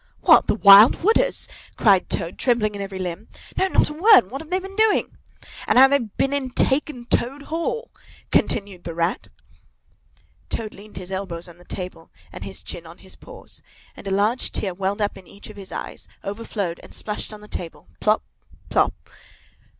What, the Wild Wooders?" cried Toad, trembling in every limb. "No, not a word! What have they been doing?" "—And how they've been and taken Toad Hall?" continued the Rat. Toad leaned his elbows on the table, and his chin on his paws; and a large tear welled up in each of his eyes, overflowed and splashed on the table, plop! plop!